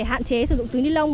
hạn chế sử dụng túi ni lông